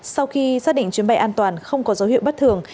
sau khi xác định chuyến bay an toàn không có dấu hiệu bất thường